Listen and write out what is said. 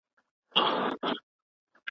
هغه وویل چي زما په نامې کي هیڅ شک نسته.